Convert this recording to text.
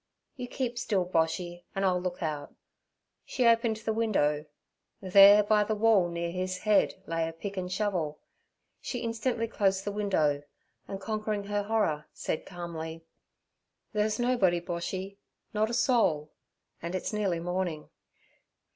'You keep still, Boshy, and I'll look out.' She opened the window. There by the wall near his head lay a pick and shovel. She instantly closed the window, and, conquering her horror, said calmly: 'There's nobody, Boshy, not a soul; and it's nearly morning.'